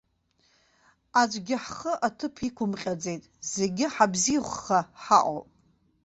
Аӡәгьы ҳхы аҭыԥ иқәымҟьаӡеит, зегьы ҳабзиахәха ҳаҟоуп.